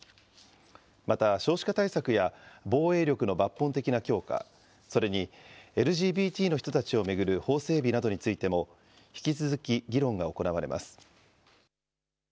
また、少子化対策や防衛力の抜本的な強化、それにＬＧＢＴの人たちを巡る法整備などについても、引き続き議論が行われます。